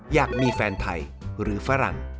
อยากมีแฟนไทยหรือฝรั่ง